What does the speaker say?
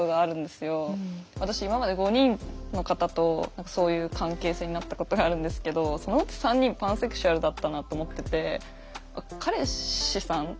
私今まで５人の方と何かそういう関係性になったことがあるんですけどそのうち３人パンセクシュアルだったなと思ってて。